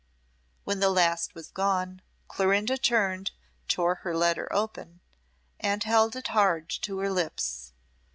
When the last was gone, Clorinda turned, tore her letter open, and held it hard to her lips.